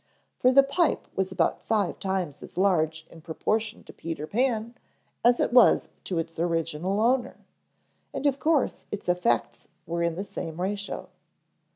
For the pipe was about five times as large in proportion to Peter Pan as it was to its original owner. And of course its effects were in the same ratio.